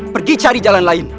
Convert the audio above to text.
pergi cari jalan lain